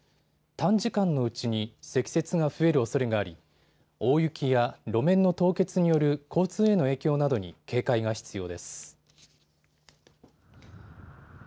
短時間のうちに積雪が増えるおそれがあり大雪や路面の凍結による交通への影響などに警戒が必要です。